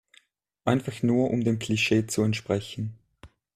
Einfach nur um dem Klischee zu entsprechen.